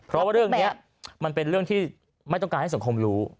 เพราะว่าเรื่องนี้มันเป็นเรื่องที่ไม่ต้องการให้สังคมรู้